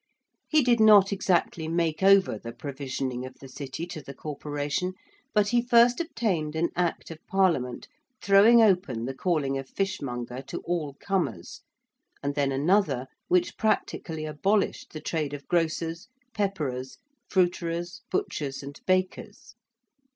He did not exactly make over the provisioning of the City to the Corporation, but he first obtained an Act of Parliament throwing open the calling of fishmonger to all comers; and then another which practically abolished the trade of grocers, pepperers, fruiterers, butchers, and bakers.